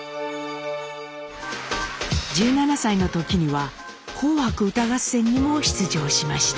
１７歳の時には「紅白歌合戦」にも出場しました。